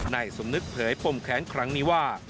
นายสมนึกเผยปมแค้นครั้งนี้ว่า